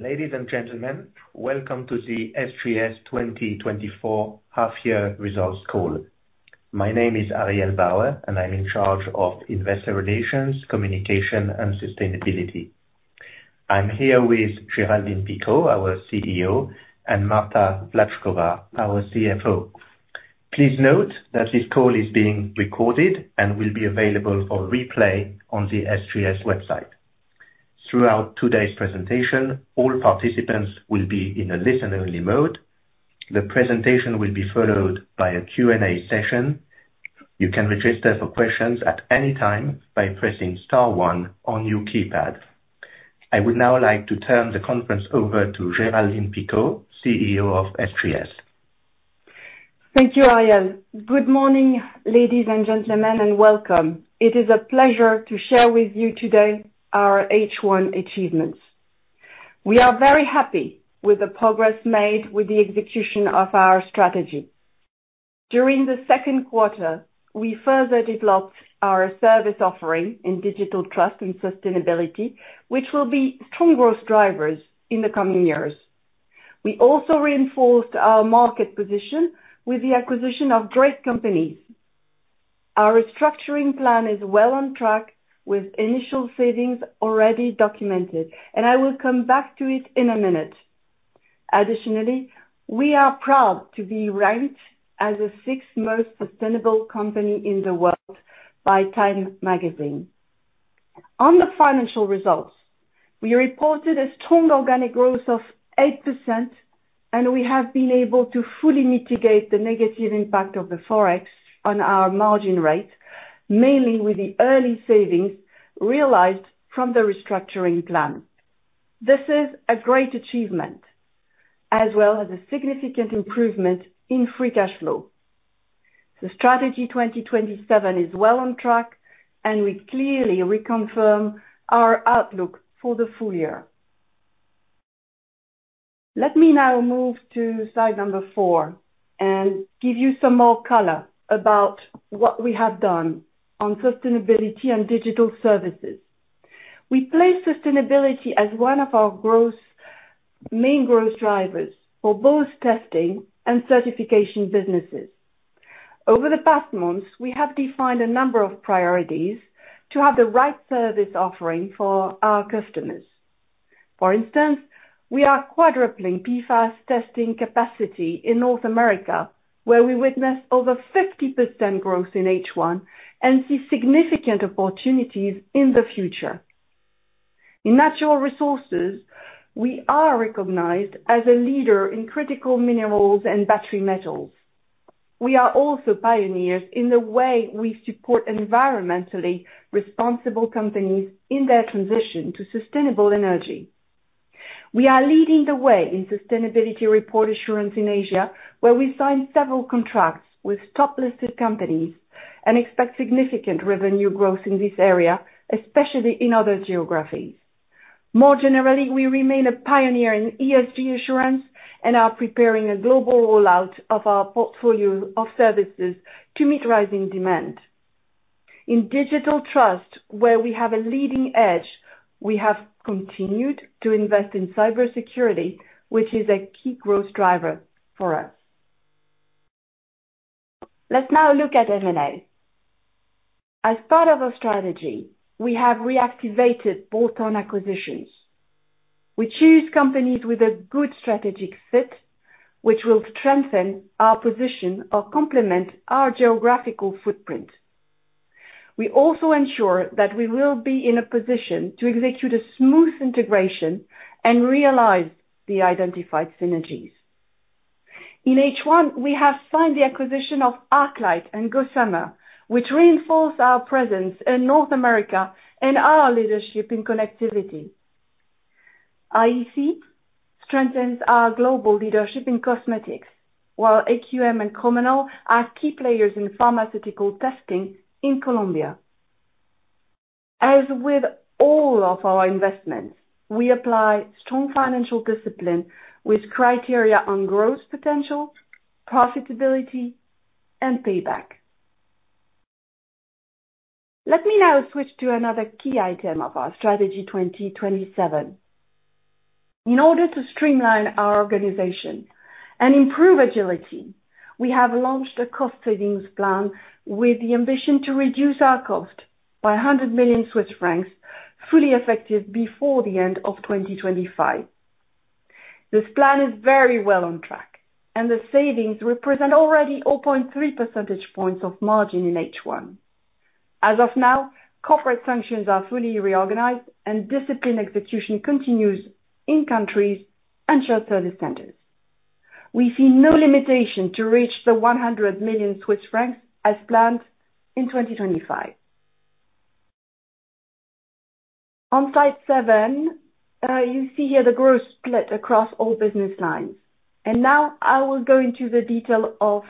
Ladies and gentlemen, welcome to the SGS 2024 half year results call. My name is Ariel Bauer, and I'm in charge of investor relations, communication, and sustainability. I'm here with Géraldine Picaud, our CEO, and Marta Vlatchkova, our CFO. Please note that this call is being recorded and will be available for replay on the SGS website. Throughout today's presentation, all participants will be in a listen-only mode. The presentation will be followed by a Q&A session. You can register for questions at any time by pressing star one on your keypad. I would now like to turn the conference over to Géraldine Picaud, CEO of SGS. Thank you, Ariel. Good morning, ladies and gentlemen, and welcome. It is a pleasure to share with you today our H1 achievements. We are very happy with the progress made with the execution of our strategy. During the second quarter, we further developed our service offering in Digital Trust and sustainability, which will be strong growth drivers in the coming years. We also reinforced our market position with the acquisition of great companies. Our restructuring plan is well on track, with initial savings already documented, and I will come back to it in a minute. Additionally, we are proud to be ranked as the sixth most sustainable company in the world by Time Magazine. On the financial results, we reported a strong organic growth of 8%, and we have been able to fully mitigate the negative impact of the Forex on our margin rate, mainly with the early savings realized from the restructuring plan. This is a great achievement, as well as a significant improvement in free cash flow. The Strategy 2027 is well on track, and we clearly reconfirm our outlook for the full year. Let me now move to slide number 4 and give you some more color about what we have done on sustainability and digital services. We place sustainability as one of our growth, main growth drivers for both testing and certification businesses. Over the past months, we have defined a number of priorities to have the right service offering for our customers. For instance, we are quadrupling PFAS testing capacity in North America, where we witnessed over 50% growth in H1 and see significant opportunities in the future. In Natural Resources, we are recognized as a leader in critical minerals and battery metals. We are also pioneers in the way we support environmentally responsible companies in their transition to sustainable energy. We are leading the way in sustainability report assurance in Asia, where we signed several contracts with top-listed companies and expect significant revenue growth in this area, especially in other geographies. More generally, we remain a pioneer in ESG assurance and are preparing a global rollout of our portfolio of services to meet rising demand. In Digital Trust, where we have a leading edge, we have continued to invest in cybersecurity, which is a key growth driver for us. Let's now look at M&A. As part of our strategy, we have reactivated bolt-on acquisitions. We choose companies with a good strategic fit, which will strengthen our position or complement our geographical footprint. We also ensure that we will be in a position to execute a smooth integration and realize the identified synergies. In H1, we have signed the acquisition of ArcLight and Gossamer, which reinforce our presence in North America and our leadership in connectivity. IEC strengthens our global leadership in cosmetics, while AQM and Cromanal are key players in pharmaceutical testing in Colombia. As with all of our investments, we apply strong financial discipline with criteria on growth potential, profitability, and payback. Let me now switch to another key item of our Strategy 2027. In order to streamline our organization and improve agility, we have launched a cost savings plan with the ambition to reduce our cost by 100 million Swiss francs, fully effective before the end of 2025. This plan is very well on track, and the savings represent already 0.3 percentage points of margin in H1. As of now, corporate functions are fully reorganized, and discipline execution continues in countries and shared service centers. We see no limitation to reach the 100 million Swiss francs as planned in 2025. On slide 7, you see here the growth split across all business lines, and now I will go into the detail of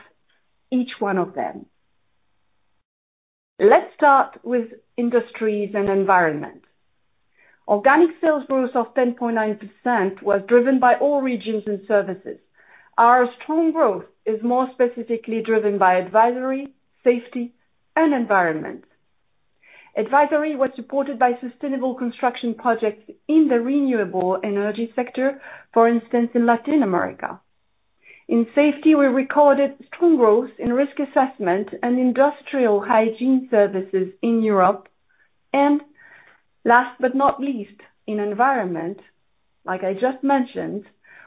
each one of them. Let's start with industries and environment. Organic sales growth of 10.9% was driven by all regions and services. Our strong growth is more specifically driven by advisory, safety, and environment. Advisory was supported by sustainable construction projects in the renewable energy sector, for instance, in Latin America. In safety, we recorded strong growth in risk assessment and industrial hygiene services in Europe, and last but not least, in environment, like I just mentioned,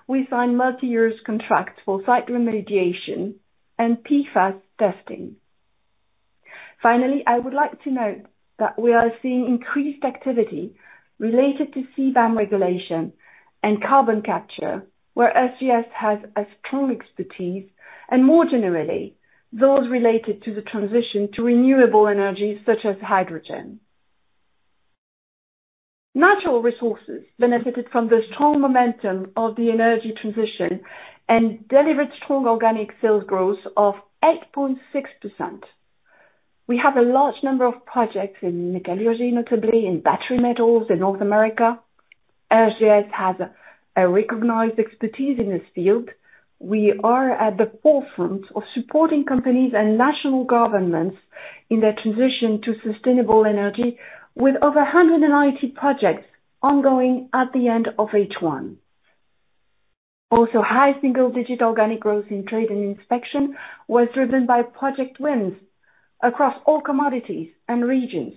we signed multi-year contracts for site remediation and PFAS testing. Finally, I would like to note that we are seeing increased activity related to CBAM regulation and carbon capture, where SGS has a strong expertise, and more generally, those related to the transition to renewable energies such as hydrogen. Natural Resources benefited from the strong momentum of the energy transition and delivered strong organic sales growth of 8.6%. We have a large number of projects in New Energy, notably in battery metals in North America. SGS has a recognized expertise in this field. We are at the forefront of supporting companies and national governments in their transition to sustainable energy, with over 190 projects ongoing at the end of H1. Also, high single-digit organic growth in trade and inspection was driven by project wins across all commodities and regions,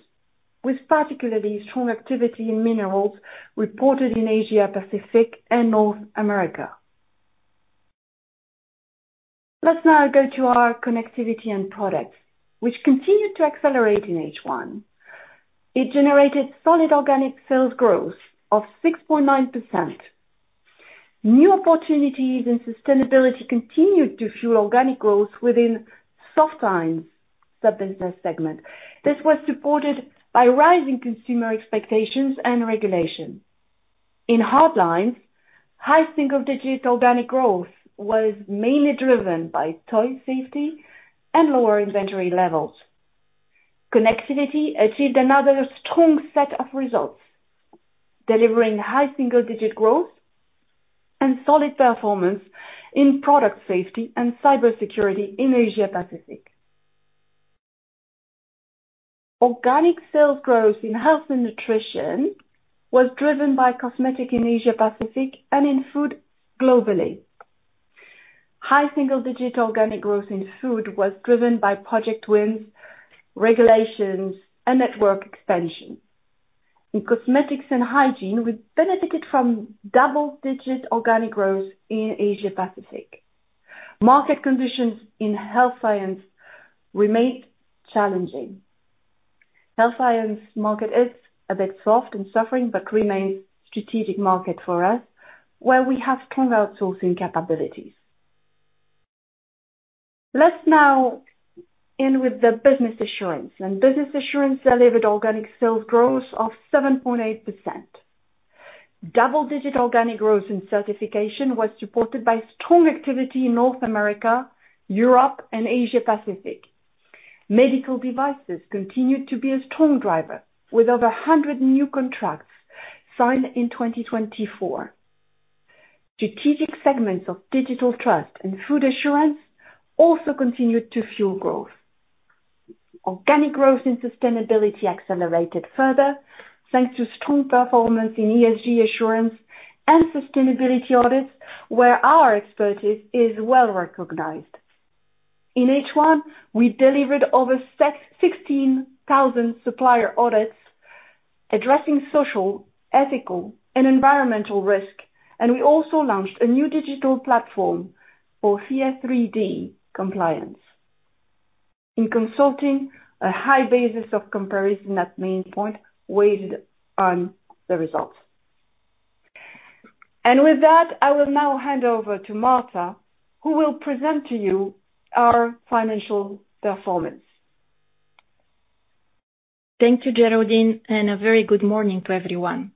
with particularly strong activity in minerals reported in Asia-Pacific and North America. Let's now go to our Connectivity & Products, which continued to accelerate in H1. It generated solid organic sales growth of 6.9%. New opportunities and sustainability continued to fuel organic growth within Softlines sub-business segment. This was supported by rising consumer expectations and regulation. In hard lines, high single-digit organic growth was mainly driven by toy safety and lower inventory levels. Connectivity achieved another strong set of results, delivering high single-digit growth and solid performance in product safety and cybersecurity in Asia-Pacific. Organic sales growth in Health & Nutrition was driven by cosmetics in Asia-Pacific and in food globally. High single-digit organic growth in food was driven by project wins, regulations, and network expansion. In Cosmetics & Hygiene, we benefited from double-digit organic growth in Asia-Pacific. Market conditions in Health Science remained challenging. Health Science market is a bit soft and suffering, but remains strategic market for us, where we have strong outsourcing capabilities. Let's now end with the Business Assurance, and Business Assurance delivered organic sales growth of 7.8%. Double-digit organic growth in certification was supported by strong activity in North America, Europe, and Asia-Pacific. Medical devices continued to be a strong driver, with over 100 new contracts signed in 2024. Strategic segments of Digital Trust and food assurance also continued to fuel growth. Organic growth and sustainability accelerated further, thanks to strong performance in ESG assurance and sustainability audits, where our expertise is well recognized. In H1, we delivered over 16,000 supplier audits addressing social, ethical, and environmental risk, and we also launched a new digital platform for CS3D compliance. In consulting, a high basis of comparison at midpoint weighed on the results. With that, I will now hand over to Marta, who will present to you our financial performance. Thank you, Geraldine, and a very good morning to everyone.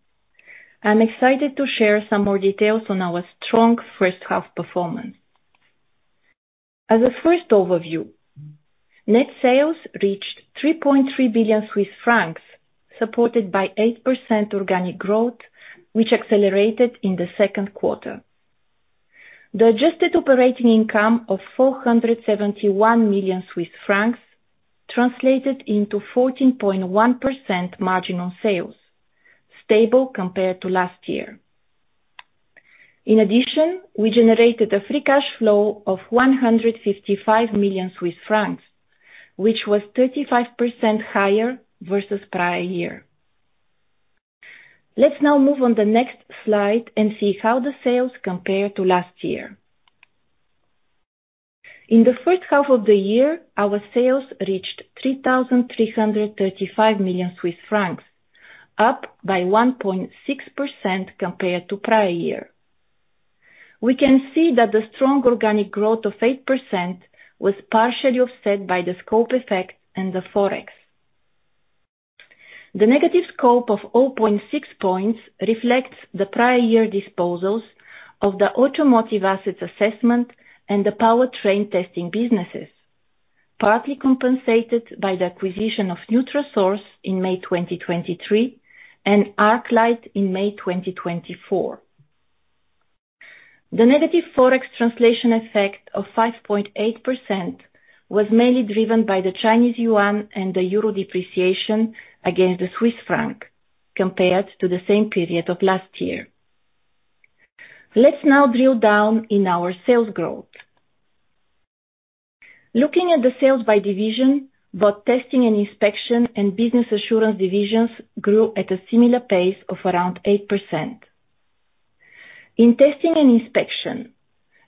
I'm excited to share some more details on our strong first half performance. As a first overview, net sales reached 3.3 billion Swiss francs, supported by 8% organic growth, which accelerated in the second quarter. The adjusted operating income of 471 million Swiss francs translated into 14.1% margin on sales, stable compared to last year. In addition, we generated a free cash flow of 155 million Swiss francs, which was 35% higher versus prior year. Let's now move on the next slide and see how the sales compare to last year. In the first half of the year, our sales reached 3,335 million Swiss francs, up by 1.6% compared to prior year. We can see that the strong organic growth of 8% was partially offset by the scope effect and the Forex. The negative scope of 0.6 points reflects the prior year disposals of the Automotive Asset Assessment and the Powertrain Testing businesses, partly compensated by the acquisition of Nutrasource in May 2023 and ArcLight in May 2024. The negative Forex translation effect of 5.8% was mainly driven by the Chinese yuan and the euro depreciation against the Swiss franc compared to the same period of last year. Let's now drill down in our sales growth. Looking at the sales by division, both Testing & Inspection and Business Assurance divisions grew at a similar pace of around 8%. In Testing & Inspection,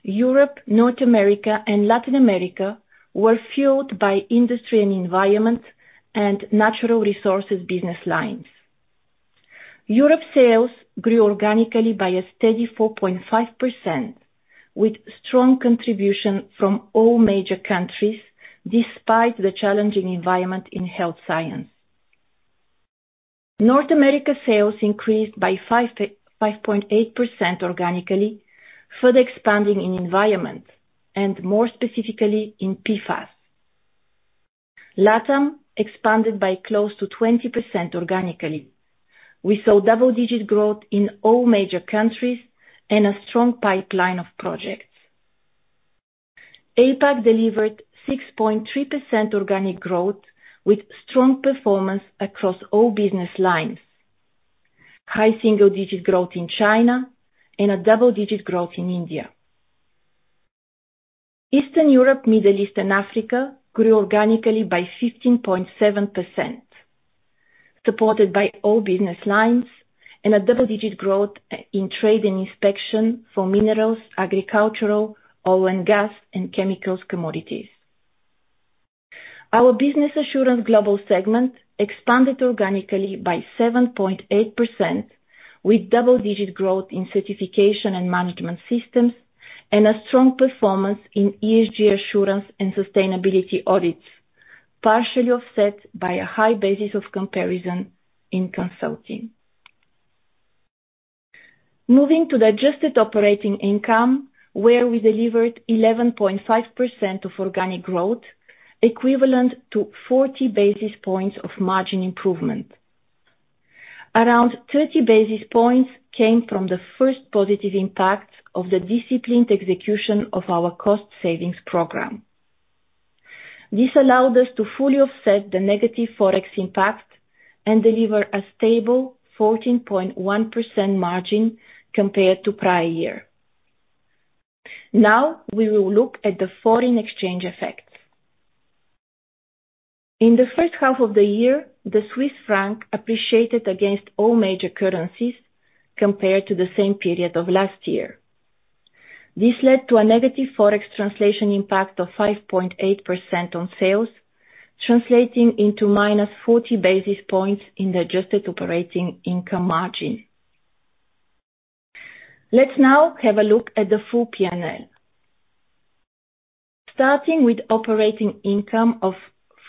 Europe, North America and Latin America were fueled by Industries & Environment and Natural Resources business lines. Europe sales grew organically by a steady 4.5%, with strong contribution from all major countries, despite the challenging environment in Health Science. North America sales increased by five point eight percent organically, further expanding in environment and more specifically in PFAS. LatAm expanded by close to 20% organically. We saw double-digit growth in all major countries and a strong pipeline of projects. APAC delivered 6.3% organic growth with strong performance across all business lines, high single-digit growth in China and a double-digit growth in India. Eastern Europe, Middle East and Africa grew organically by 15.7%, supported by all business lines and a double-digit growth in trade and inspection for minerals, agricultural, oil and gas, and chemicals commodities. Our Business Assurance global segment expanded organically by 7.8%, with double-digit growth in certification and management systems, and a strong performance in ESG assurance and sustainability audits, partially offset by a high basis of comparison in consulting. Moving to the adjusted operating income, where we delivered 11.5% of organic growth, equivalent to 40 basis points of margin improvement. Around 30 basis points came from the first positive impact of the disciplined execution of our cost savings program. This allowed us to fully offset the negative Forex impact and deliver a stable 14.1% margin compared to prior year. Now we will look at the foreign exchange effects. In the first half of the year, the Swiss franc appreciated against all major currencies compared to the same period of last year. This led to a negative Forex translation impact of 5.8% on sales, translating into -40 basis points in the adjusted operating income margin. Let's now have a look at the full P&L. Starting with operating income of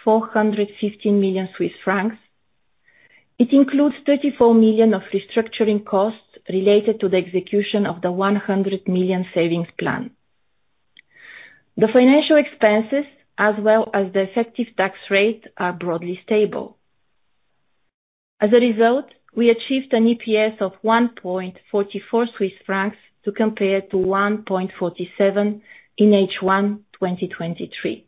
415 million Swiss francs, it includes 34 million of restructuring costs related to the execution of the 100 million savings plan. The financial expenses, as well as the effective tax rate, are broadly stable. As a result, we achieved an EPS of 1.44 Swiss francs to compare to 1.47 in H1 2023.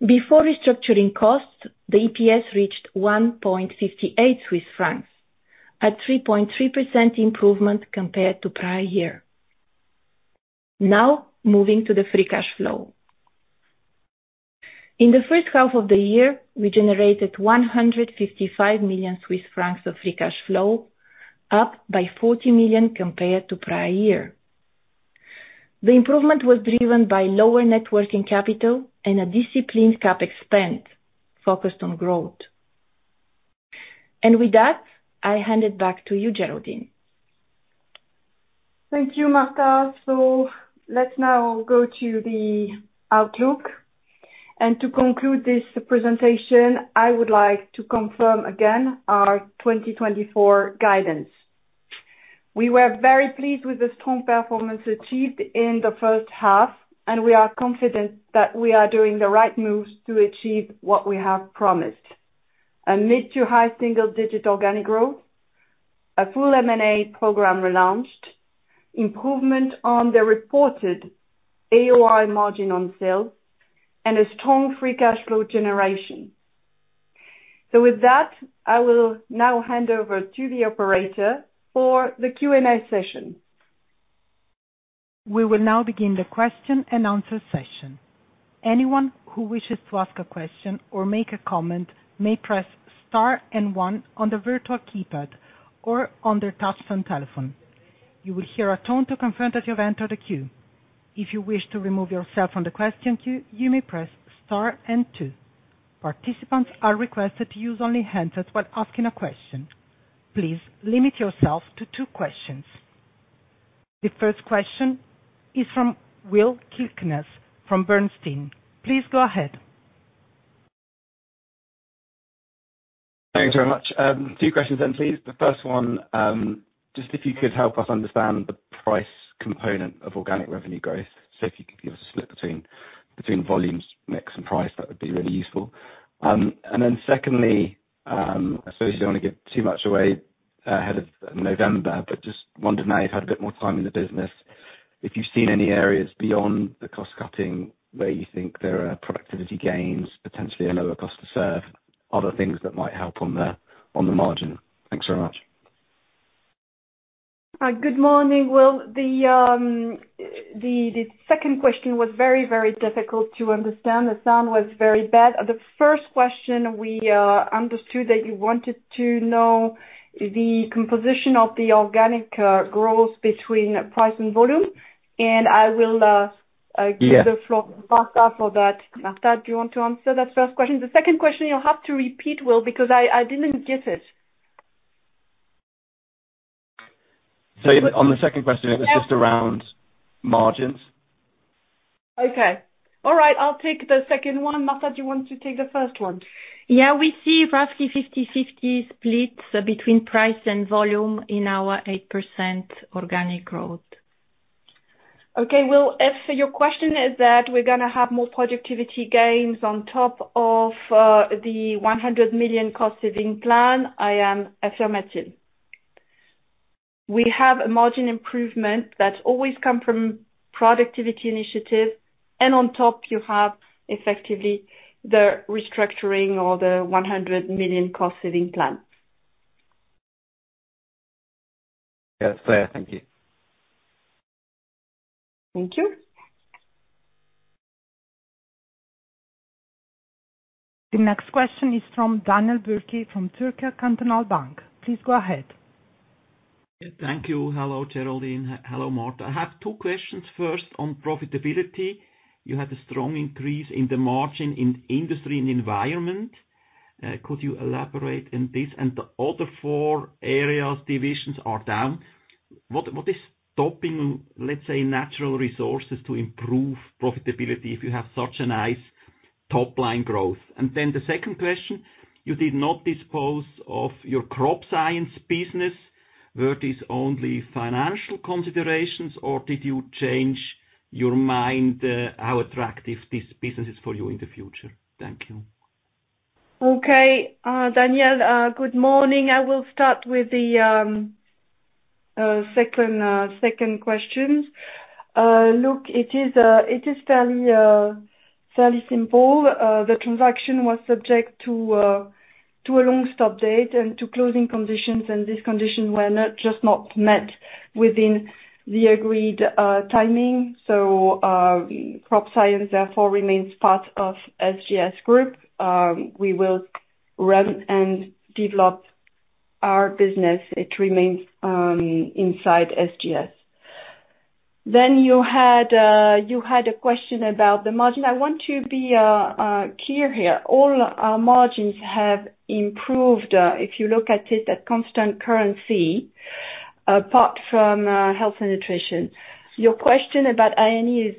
Before restructuring costs, the EPS reached 1.58 Swiss francs, a 3.3% improvement compared to prior year. Now, moving to the free cash flow. In the first half of the year, we generated 155 million Swiss francs of free cash flow, up by 40 million compared to prior year. The improvement was driven by lower net working capital and a disciplined CapEx spend focused on growth. With that, I hand it back to you, Geraldine. Thank you, Marta. So let's now go to the outlook. And to conclude this presentation, I would like to confirm again our 2024 guidance. We were very pleased with the strong performance achieved in the first half, and we are confident that we are doing the right moves to achieve what we have promised: a mid- to high-single-digit organic growth, a full M&A program relaunched, improvement on the reported AOI margin on sales, and a strong free cash flow generation. So with that, I will now hand over to the operator for the Q&A session. We will now begin the question-and-answer session. Anyone who wishes to ask a question or make a comment may press star and one on the virtual keypad or on their touchtone telephone. You will hear a tone to confirm that you have entered the queue. If you wish to remove yourself from the question queue, you may press star and two. Participants are requested to use only handsets while asking a question. Please limit yourself to two questions. The first question is from Will Kirkness from Bernstein. Please go ahead. Thanks very much. Two questions then, please. The first one, just if you could help us understand the price component of organic revenue growth. So if you could give us a split between volumes, mix, and price, that would be really useful. And then secondly, I suppose you don't want to give too much away ahead of November, but just wondered, now you've had a bit more time in the business, if you've seen any areas beyond the cost cutting, where you think there are productivity gains, potentially a lower cost to serve, other things that might help on the, on the margin? Thanks very much. Good morning. Well, the second question was very, very difficult to understand. The sound was very bad. The first question, we understood that you wanted to know the composition of the organic growth between price and volume, and I will, Yeah. Give the floor to Marta for that. Marta, do you want to answer that first question? The second question you'll have to repeat, Will, because I, I didn't get it. On the second question, it was just around margins. Okay. All right, I'll take the second one. Marta, do you want to take the first one? Yeah, we see roughly 50/50 split between price and volume in our 8% organic growth. Okay, Will, if your question is that, we're gonna have more productivity gains on top of the 100 million cost saving plan, I am affirmative. We have a margin improvement that always come from productivity initiatives, and on top you have effectively the restructuring or the 100 million cost saving plan. Yeah, clear. Thank you. Thank you. The next question is from Daniel Bürki, from Zürcher Kantonalbank. Please go ahead. Thank you. Hello, Geraldine. Hello, Marta. I have two questions. First, on profitability. You had a strong increase in the margin in Industries & Environment. Could you elaborate on this? And the other four areas, divisions are down. What is stopping, let's say, Natural Resources to improve profitability if you have such a nice top line growth? And then the second question: You did not dispose of your crop science business. Were this only financial considerations, or did you change your mind, how attractive this business is for you in the future? Thank you. Okay. Daniel, good morning. I will start with the second questions. Look, it is fairly simple. The transaction was subject to a long stop date and to closing conditions, and these conditions were not met within the agreed timing. So, crop science therefore remains part of SGS Group. We will run and develop our business. It remains inside SGS. Then you had a question about the margin. I want to be clear here. All our margins have improved, if you look at it at constant currency, apart from Health & Nutrition. Your question about I&E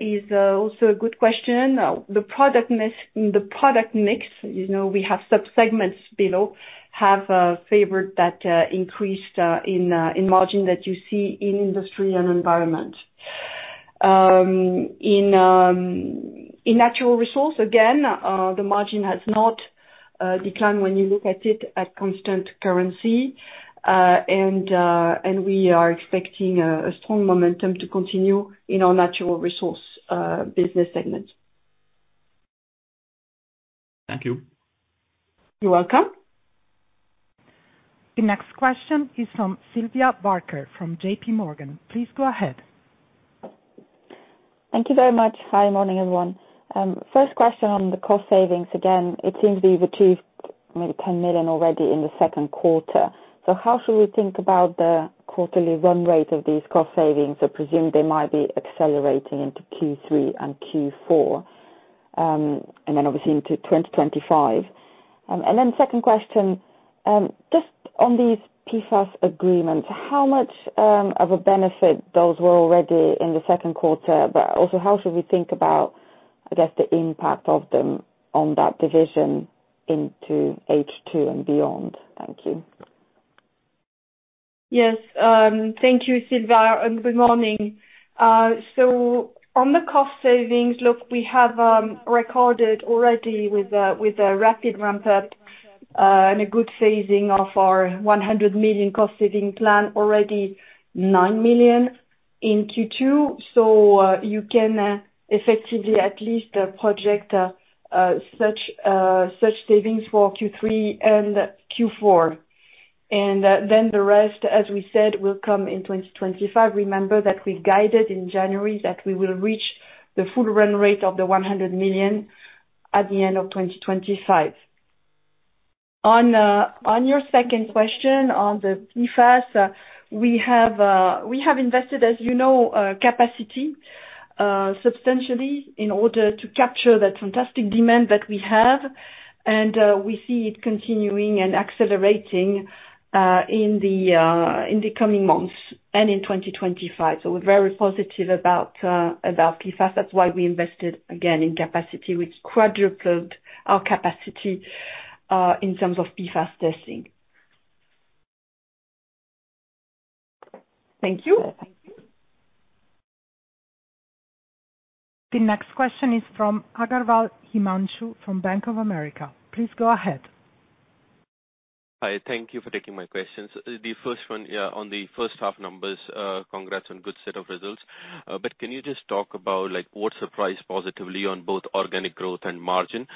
is also a good question. The product mix, the product mix, you know, we have sub-segments below have favored that increased in margin that you see in Industries & Environment. In natural resource, again, the margin has not declined when you look at it at constant currency. And we are expecting a strong momentum to continue in our natural resource business segment. Thank you. You're welcome. The next question is from Sylvia Barker, from JPMorgan. Please go ahead. Thank you very much. Hi, good morning, everyone. First question on the cost savings, again, it seems to be you've achieved maybe 10 million already in the second quarter. So how should we think about the quarterly run rate of these cost savings? I presume they might be accelerating into Q3 and Q4, and then obviously into 2025. And then second question, just on these PFAS agreements, how much of a benefit those were already in the second quarter, but also, how should we think about, I guess, the impact of them on that division into H2 and beyond? Thank you. Yes. Thank you, Sylvia, and good morning. So on the cost savings, look, we have recorded already with a, with a rapid ramp-up, and a good phasing of our 100 million cost saving plan, already 9 million in Q2. So, you can effectively at least project such savings for Q3 and Q4. And, then the rest, as we said, will come in 2025. Remember that we guided in January that we will reach the full run rate of the 100 million at the end of 2025. On your second question, on the PFAS, we have invested, as you know, capacity substantially in order to capture that fantastic demand that we have, and we see it continuing and accelerating in the coming months and in 2025. So we're very positive about PFAS. That's why we invested again in capacity, which quadrupled our capacity in terms of PFAS testing. Thank you. The next question is from Himanshu Agarwal from Bank of America. Please go ahead. Hi, thank you for taking my questions. The first one, yeah, on the first half numbers, congrats on good set of results. But can you just talk about, like, what surprised positively on both organic growth and margin,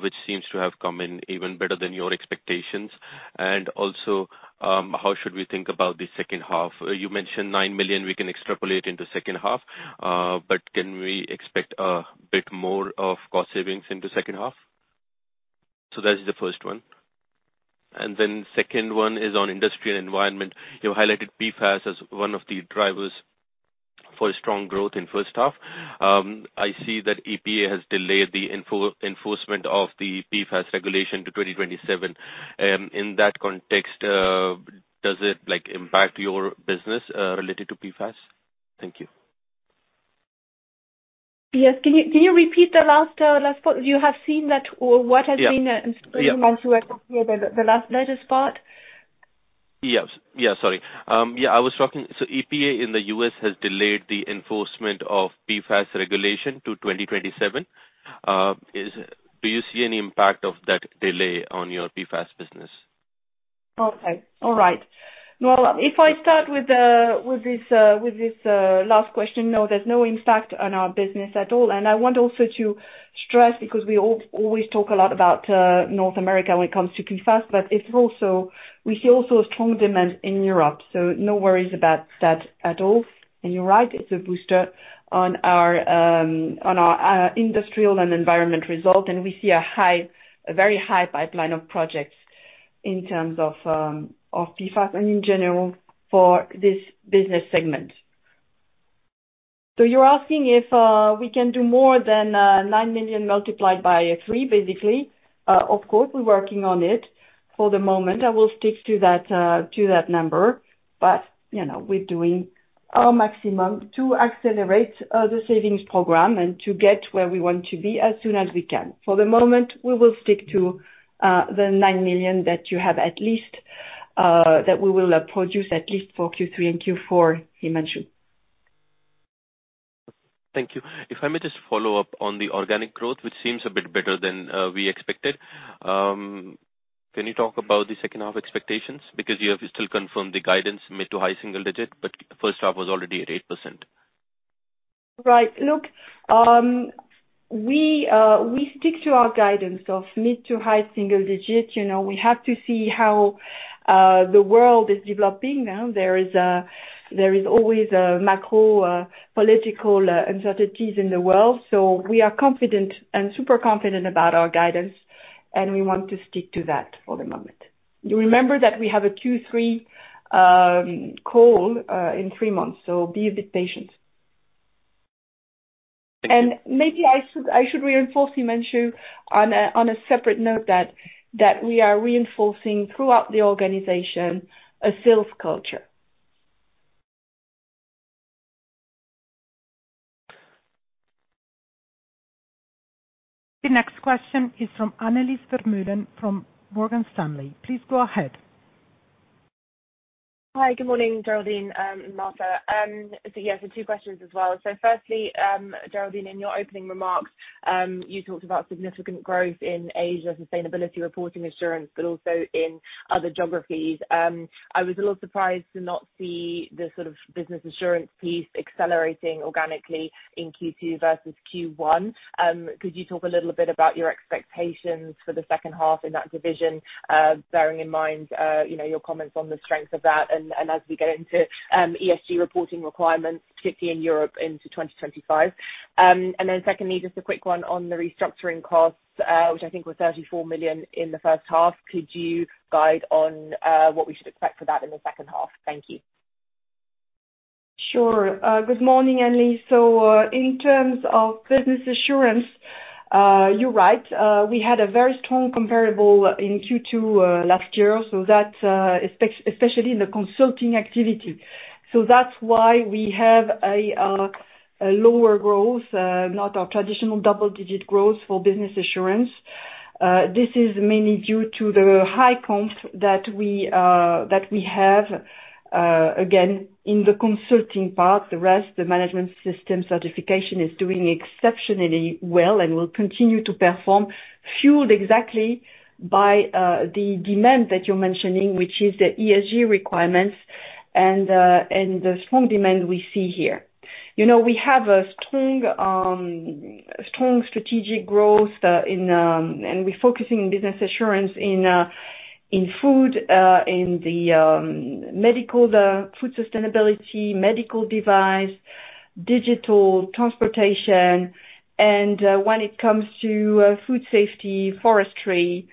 which seems to have come in even better than your expectations? And also, how should we think about the second half? You mentioned 9 million, we can extrapolate into second half, but can we expect a bit more of cost savings in the second half? So that is the first one. And then second one is on Industries & Environment. You highlighted PFAS as one of the drivers for strong growth in first half. I see that EPA has delayed the enforcement of the PFAS regulation to 2027. In that context, does it, like, impact your business related to PFAS? Thank you. Yes. Can you repeat the last part? You have seen that or what has been- Yeah. The last, latest part? Yes. Yeah, sorry. Yeah, I was talking... So EPA in the U.S. has delayed the enforcement of PFAS regulation to 2027. Do you see any impact of that delay on your PFAS business? Okay. All right. Well, if I start with this last question, no, there's no impact on our business at all. And I want also to stress, because we always talk a lot about North America when it comes to PFAS, but it's also, we see also a strong demand in Europe, so no worries about that at all. And you're right, it's a booster on our industrial and environment result, and we see a high, a very high pipeline of projects in terms of PFAS and in general for this business segment. So you're asking if we can do more than 9 million multiplied by 3, basically. Of course, we're working on it. For the moment, I will stick to that, to that number, but, you know, we're doing our maximum to accelerate the savings program and to get where we want to be as soon as we can. For the moment, we will stick to the 9 million that you have at least, that we will produce at least for Q3 and Q4, Himanshu. Thank you. If I may just follow up on the organic growth, which seems a bit better than we expected. Can you talk about the second half expectations? Because you have still confirmed the guidance mid to high single digit, but first half was already at 8%. Right. Look, we stick to our guidance of mid to high single digits. You know, we have to see how the world is developing now. There is always a macro political uncertainties in the world, so we are confident and super confident about our guidance, and we want to stick to that for the moment. You remember that we have a Q3 call in three months, so be a bit patient. And maybe I should reinforce, Himanshu, on a separate note, that we are reinforcing throughout the organization a sales culture. The next question is from Annelies Vermeulen, from Morgan Stanley. Please go ahead. Hi, good morning, Geraldine, and Marta. Yeah, two questions as well. Firstly, Geraldine, in your opening remarks, you talked about significant growth in Asia sustainability reporting assurance, but also in other geographies. I was a little surprised to not see the sort of Business Assurance piece accelerating organically in Q2 versus Q1. Could you talk a little bit about your expectations for the second half in that division, bearing in mind, you know, your comments on the strength of that, and as we get into ESG reporting requirements, particularly in Europe into 2025? And then secondly, just a quick one on the restructuring costs, which I think were 34 million in the first half. Could you guide on what we should expect for that in the second half? Thank you. Sure. Good morning, Annelies. So, in terms of Business Assurance, you're right. We had a very strong comparable in Q2 last year, so that, especially in the consulting activity. So that's why we have a lower growth, not our traditional double-digit growth for Business Assurance. This is mainly due to the high comp that we have, again, in the consulting part. The rest, the management system certification is doing exceptionally well and will continue to perform, fueled exactly by the demand that you're mentioning, which is the ESG requirements and the strong demand we see here. You know, we have a strong strategic growth, in... And we're focusing Business Assurance in food, in the medical, the food sustainability, medical device, digital, transportation. When it comes to food safety, forestry,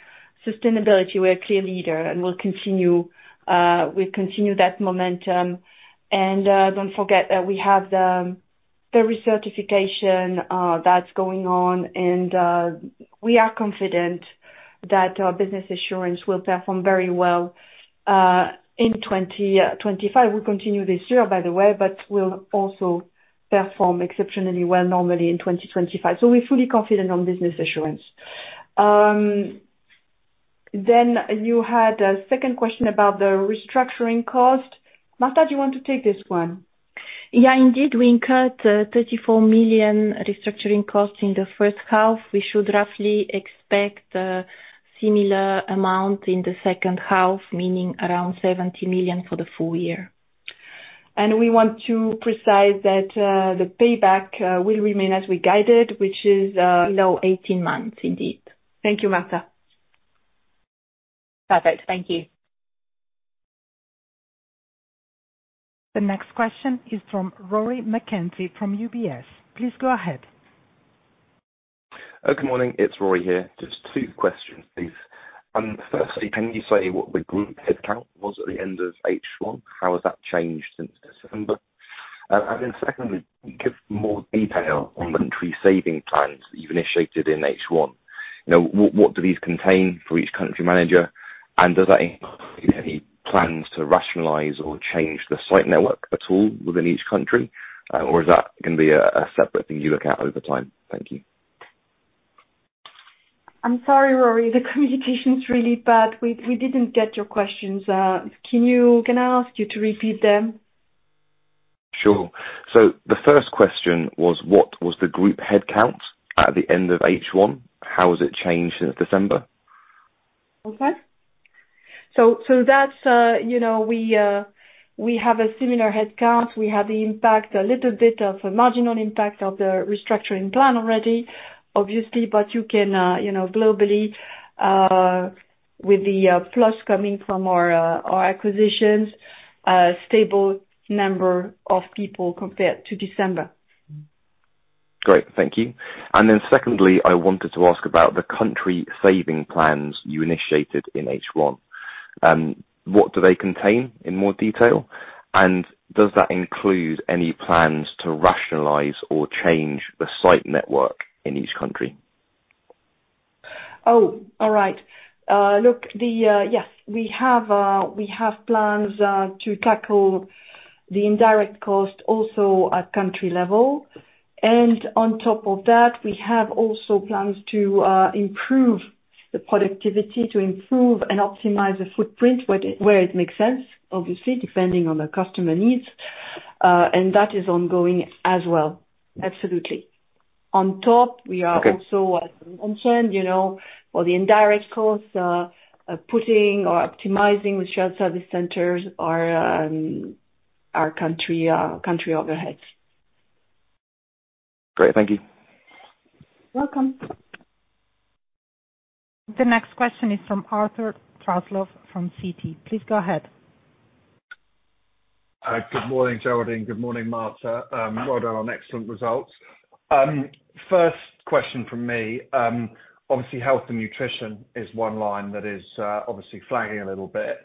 sustainability, we're a clear leader, and we'll continue that momentum. Don't forget that we have the recertification that's going on, and we are confident that our Business Assurance will perform very well in 2025. We'll continue this year, by the way, but we'll also perform exceptionally well normally in 2025. So we're fully confident on Business Assurance. Then you had a second question about the restructuring cost. Marta, do you want to take this one? Yeah, indeed. We incurred 34 million restructuring costs in the first half. We should roughly expect a similar amount in the second half, meaning around 70 million for the full year. We want to specify that the payback will remain as we guided, which is- Below 18 months, indeed. Thank you, Marta. Perfect. Thank you. The next question is from Rory McKenzie, from UBS. Please go ahead. Good morning, it's Rory here. Just two questions, please. Firstly, can you say what the group headcount was at the end of H1? How has that changed since December? And then secondly, can you give more detail on the country savings plans that you've initiated in H1? Now, what do these contain for each country manager? And does that include any plans to rationalize or change the site network at all within each country, or is that gonna be a separate thing you look at over time? Thank you. I'm sorry, Rory, the communication's really bad. We didn't get your questions. Can I ask you to repeat them? Sure. So the first question was, what was the group headcount at the end of H1? How has it changed since December? Okay. So, that's, you know, we have a similar headcount. We have the impact, a little bit of a marginal impact of the restructuring plan already, obviously, but you can, you know, globally, with the, plus coming from our, our acquisitions, a stable number of people compared to December. Great, thank you. And then secondly, I wanted to ask about the country saving plans you initiated in H1. What do they contain, in more detail? And does that include any plans to rationalize or change the site network in each country? Oh, all right. Look, the, yes, we have, we have plans to tackle the indirect cost also at country level. And on top of that, we have also plans to improve the productivity, to improve and optimize the footprint, where it makes sense, obviously, depending on the customer needs, and that is ongoing as well. Absolutely. On top- Okay. We are also, as I mentioned, you know, for the indirect costs, putting or optimizing the shared service centers or our country overheads. Great, thank you. Welcome. The next question is from Arthur Truslove, from Citi. Please go ahead. Good morning, Geraldine. Good morning, Marta. Well done on excellent results. First question from me, obviously, Health & Nutrition is one line that is obviously flagging a little bit,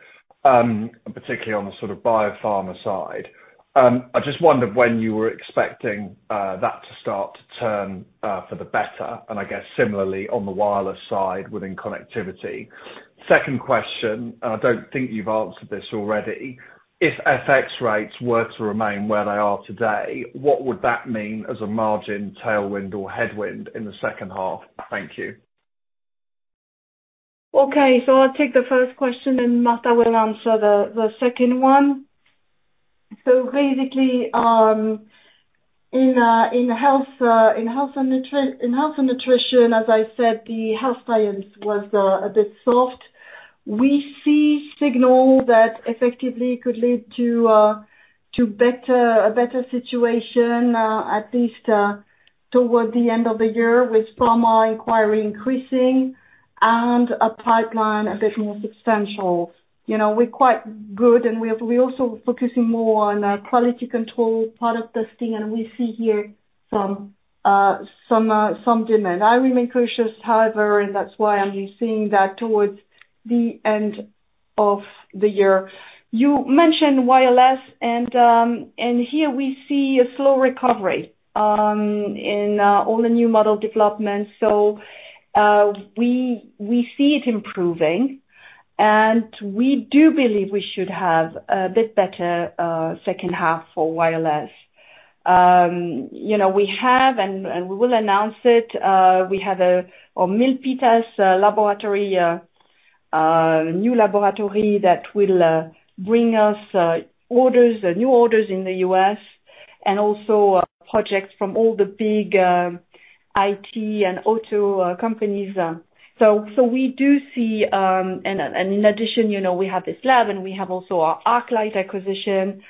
particularly on the sort of biopharma side. I just wondered when you were expecting that to start to turn for the better, and I guess similarly on the wireless side, within connectivity. Second question, and I don't think you've answered this already: If FX rates were to remain where they are today, what would that mean as a margin tailwind or headwind in the second half? Thank you. Okay, so I'll take the first question, and Marta will answer the second one. So basically, in Health & Nutrition, as I said, the Health Science was a bit soft. We see signal that effectively could lead to a better situation, at least toward the end of the year, with pharma inquiry increasing and a pipeline a bit more substantial. You know, we're quite good, and we have. We're also focusing more on quality control, product testing, and we see here some demand. I remain cautious, however, and that's why I'm saying that towards the end of the year. You mentioned wireless, and here we see a slow recovery in all the new model developments. So, we see it improving, and we do believe we should have a bit better second half for wireless. You know, we have and we will announce it, we have a Milpitas laboratory, new laboratory that will bring us orders, new orders in the U.S. and also projects from all the big IT and auto companies. So we do see... And in addition, you know, we have this lab, and we have also our ArcLight acquisition.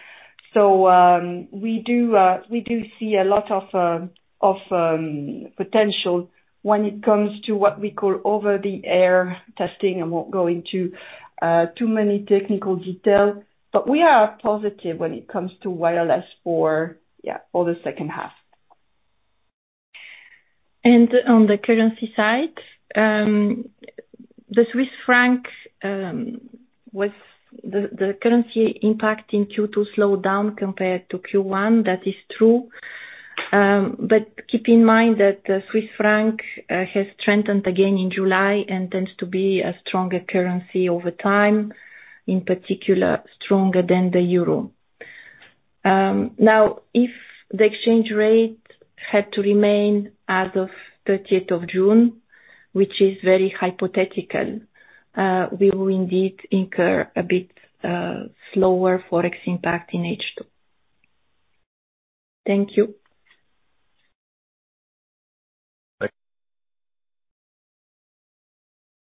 So, we do see a lot of potential when it comes to what we call over-the-air testing. I won't go into too many technical details, but we are positive when it comes to wireless for, yeah, for the second half. On the currency side, the Swiss franc was the currency impact in Q2 slowed down compared to Q1. That is true. But keep in mind that the Swiss franc has strengthened again in July and tends to be a stronger currency over time, in particular, stronger than the euro. Now, if the exchange rate had to remain as of thirtieth of June, which is very hypothetical, we will indeed incur a bit slower Forex impact in H2. Thank you. Thank you.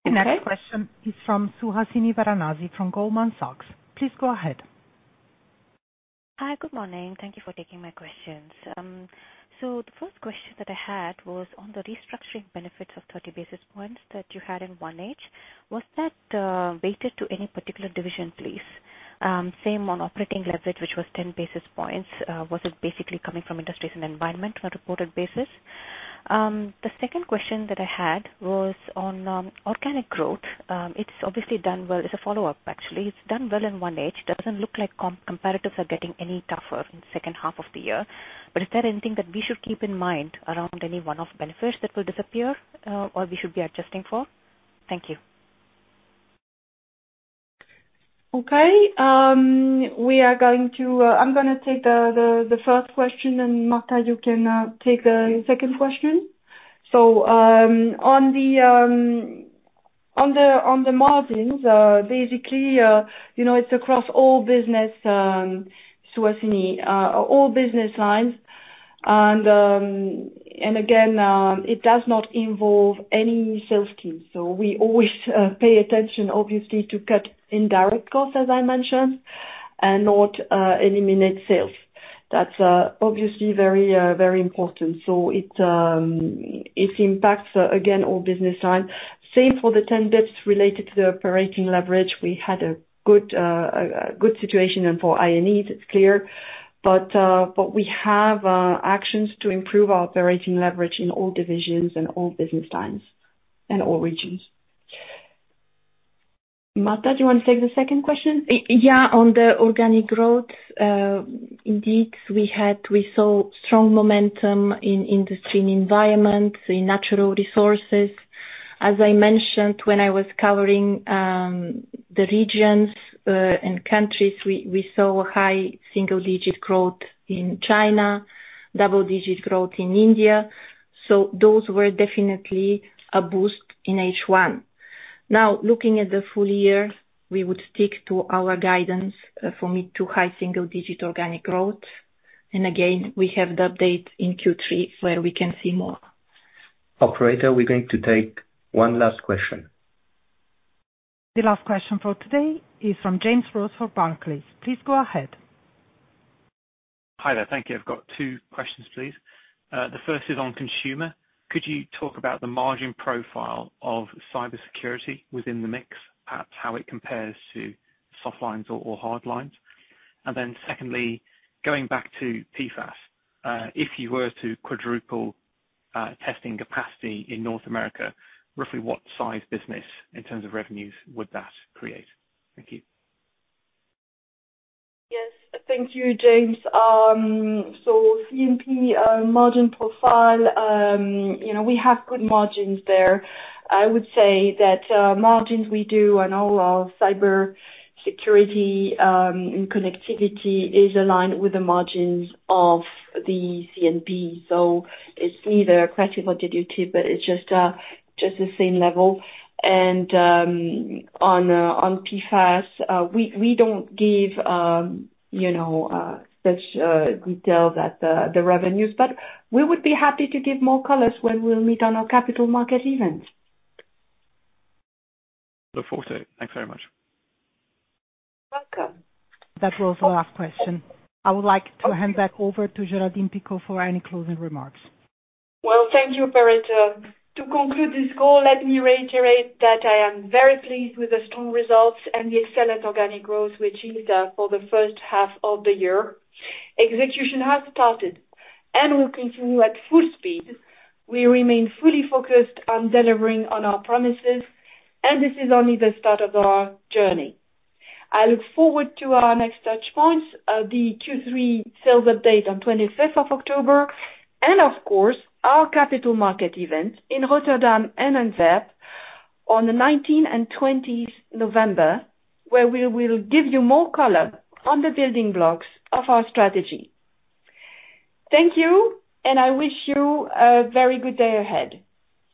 The next question is from Suhasini Varanasi from Goldman Sachs. Please go ahead. Hi, good morning. Thank you for taking my questions. So the first question that I had was on the restructuring benefits of 30 basis points that you had in 1H. Was that weighted to any particular division, please? Same on operating leverage, which was 10 basis points. Was it basically coming from industries and environment on a reported basis? The second question that I had was on organic growth. It's obviously done well. It's a follow-up, actually. It's done well in 1H. Doesn't look like comparatives are getting any tougher in the second half of the year. But is there anything that we should keep in mind around any one-off benefits that will disappear, or we should be adjusting for? Thank you. Okay. We are going to, I'm gonna take the first question, and, Marta, you can take the second question. So, on the margins, basically, you know, it's across all business, Suhasini, all business lines. And, again, it does not involve any sales teams. So we always pay attention, obviously, to cut indirect costs, as I mentioned, and not eliminate sales. That's obviously very important. So it impacts, again, all business line. Same for the 10 basis points related to the operating leverage. We had a good situation and for I&E, it's clear. But we have actions to improve our operating leverage in all divisions and all business lines and all regions. Marta, do you want to take the second question? Yeah, on the organic growth, indeed, we saw strong momentum in Industries & Environment, in Natural Resources. As I mentioned, when I was covering the regions and countries, we saw high single-digit growth in China, double-digit growth in India, so those were definitely a boost in H1. Now, looking at the full year, we would stick to our guidance for mid- to high-single-digit organic growth. And again, we have the update in Q3 where we can see more. Operator, we're going to take one last question. The last question for today is from James Rose from Barclays. Please go ahead. Hi there. Thank you. I've got two questions, please. The first is on consumer. Could you talk about the margin profile of cybersecurity within the mix, perhaps how it compares to Softlines or Hardlines? And then secondly, going back to PFAS, if you were to quadruple testing capacity in North America, roughly what size business in terms of revenues would that create? Thank you. Yes, thank you, James. So C&P margin profile, you know, we have good margins there. I would say that margins we do on all our cybersecurity and connectivity is aligned with the margins of the C&P. So it's neither accretive or dilutive, but it's just just the same level. And on on PFAS, we we don't give you know such detail that the revenues, but we would be happy to give more color when we'll meet on our capital market events. Look forward to it. Thanks very much. Welcome. That was the last question. I would like to hand back over to Géraldine Picaud for any closing remarks. Well, thank you, operator. To conclude this call, let me reiterate that I am very pleased with the strong results and the excellent organic growth we achieved for the first half of the year. Execution has started and will continue at full speed. We remain fully focused on delivering on our promises, and this is only the start of our journey. I look forward to our next touchpoints, the Q3 sales update on 25th of October, and of course, our capital market event in Rotterdam and Antwerp on the 19th and 20th November, where we will give you more color on the building blocks of our strategy. Thank you, and I wish you a very good day ahead.